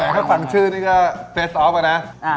ถ้าฟังชื่อนี่ก็เฟสออฟกันนะ